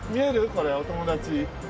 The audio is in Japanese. これお友達。